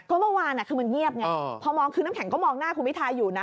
ก็เมื่อวานคือมันเงียบไงพอมองคือน้ำแข็งก็มองหน้าคุณพิทาอยู่นะ